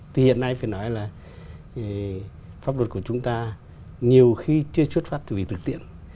thì hiện nay phải nói là pháp luật của chúng ta nhiều khi chưa xuất phát từ vị thực tiễn